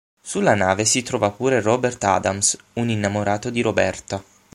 Sulla nave si trova pure Robert Adams, un innamorato di Roberta.